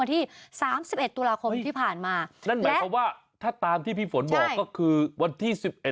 ที่ผ่านมานั่นหมายความว่าถ้าตามที่พี่ฝนบอกก็คือวันที่สิบเอ็ด